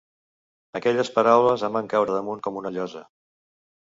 Aquelles paraules em van caure damunt com una llosa.